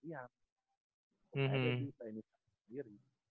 jadi bisa ini sendiri